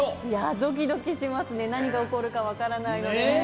ドキドキしますね、何が起こるか分からない。